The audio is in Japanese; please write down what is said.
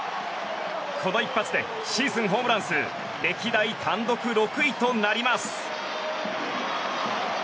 この一発でシーズンホームラン数歴代単独６位となります。